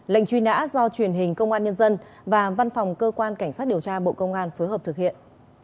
lệnh truy nã do truyền hình công an nhân dân và văn phòng cơ quan cảnh sát điều tra bộ công an phối hợp thực hiện